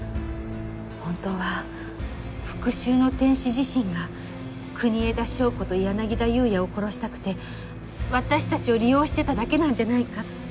本当は復讐の天使自身が国枝祥子と柳田裕也を殺したくて私たちを利用してただけなんじゃないかって。